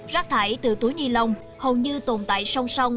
rác thải từ túi ni lông hầu như tồn tại song song